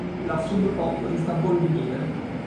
La Sub Pop ristampò il vinile.